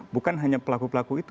bukan hanya pelaku pelaku itu